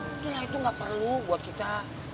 udah lah itu gak perlu buat kita